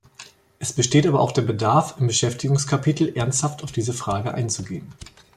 Es besteht aber auch der Bedarf, im Beschäftigungskapitel ernsthaft auf diese Frage einzugehen.